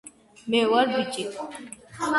მე ვარ ბიჭი